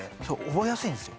覚えやすいんですよ。